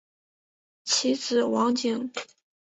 其子王景。